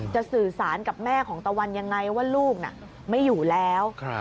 สื่อสารกับแม่ของตะวันยังไงว่าลูกน่ะไม่อยู่แล้ว